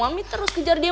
mami terus kejar dia